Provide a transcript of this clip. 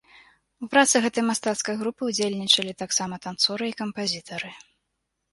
У працы гэтай мастацкай групы ўдзельнічалі таксама танцоры і кампазітары.